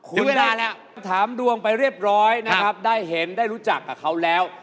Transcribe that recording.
คุณเวลาแล้วถามดวงไปเรียบร้อยนะครับได้เห็นได้รู้จักกับเขาแล้ว